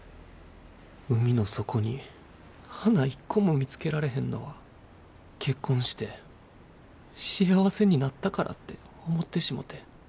海の底に花一個も見つけられへんのは結婚して幸せになったからって思ってしもて。